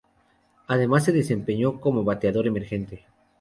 Además se desempeñó como bateador emergente.